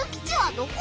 どこ？